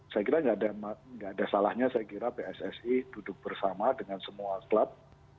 saya kira nggak ada salahnya pssi duduk bersama dengan semua klub